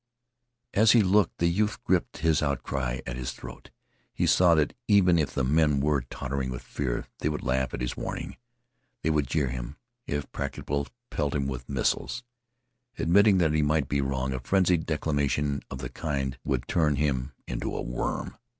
As he looked the youth gripped his outcry at his throat. He saw that even if the men were tottering with fear they would laugh at his warning. They would jeer him, and, if practicable, pelt him with missiles. Admitting that he might be wrong, a frenzied declamation of the kind would turn him into a worm.